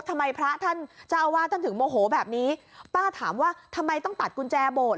ทำไมพระท่านเจ้าอาวาสท่านถึงโมโหแบบนี้ป้าถามว่าทำไมต้องตัดกุญแจโบสถ